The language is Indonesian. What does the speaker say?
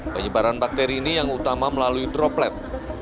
penyebaran bakteri ini yang utama melalui droplet